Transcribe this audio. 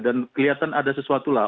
dan kelihatan ada sesuatu lah